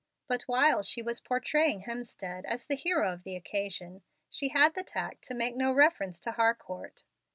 But while she was portraying Hemstead as the hero of the occasion, she had the tact to make no reference to Harcourt.